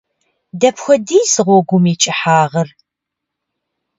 Дапхуэдиз гъуэгум и кӏыхьагъыр?